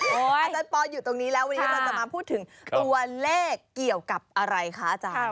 อาจารย์ปอลอยู่ตรงนี้แล้ววันนี้เราจะมาพูดถึงตัวเลขเกี่ยวกับอะไรคะอาจารย์